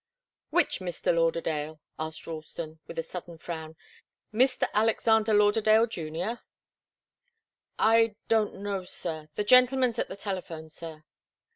"Which Mr. Lauderdale?" asked Ralston, with a sudden frown. "Mr. Alexander Lauderdale Junior?" "I don't know, sir. The gentleman's at the telephone, sir."